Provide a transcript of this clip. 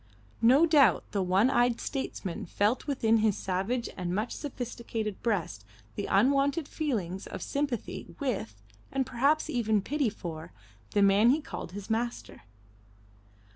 No doubt the one eyed statesman felt within his savage and much sophisticated breast the unwonted feelings of sympathy with, and perhaps even pity for, the man he called his master.